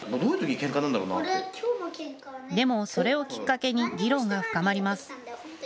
でも、それをきっかけに議論が深まります。